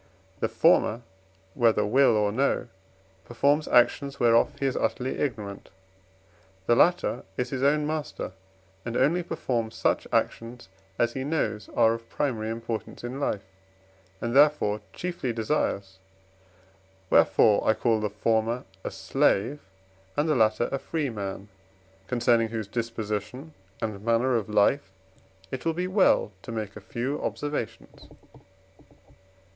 The former, whether will or no, performs actions whereof he is utterly ignorant; the latter is his own master and only performs such actions, as he knows are of primary importance in life, and therefore chiefly desires; wherefore I call the former a slave, and the latter a free man, concerning whose disposition and manner of life it will be well to make a few observations.